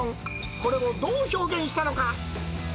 これをどう表現したのか。